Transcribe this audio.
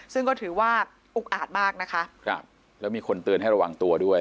ซึ่งก็ถือว่าอุกอาจมากนะคะครับแล้วมีคนเตือนให้ระวังตัวด้วย